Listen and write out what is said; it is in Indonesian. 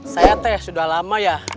saya teh sudah lama ya